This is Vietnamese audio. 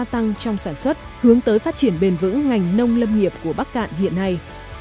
lâm nghiệp của bắc cạn hiện nay